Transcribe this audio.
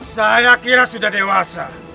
saya kira sudah dewasa